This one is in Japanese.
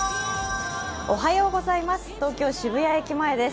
東京・渋谷駅前です。